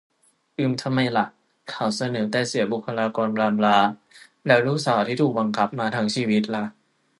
อืม ทำไมล่ะ ข่าวเสนอแต่เสียบุคลากรบลาบลา แล้วลูกสาวที่ถูกบังคับมาทั้งชีวิตล่ะ